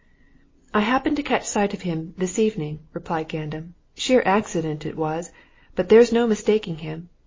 "I happened to catch sight of him this evening," replied Gandam. "Sheer accident it was but there's no mistaking him.